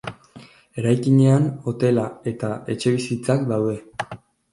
Eraikinean hotela eta etxebizitzak daude.